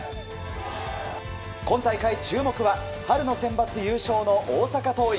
今大会、注目は春のセンバツ優勝の大阪桐蔭。